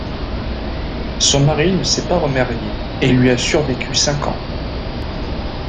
Son mari ne s'est pas remarié et lui a survécu cinq ans.